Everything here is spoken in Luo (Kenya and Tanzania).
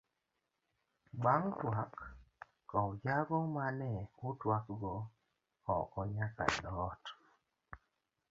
Ban'g twak kow jago mane utwak go oko nyaka e thoot.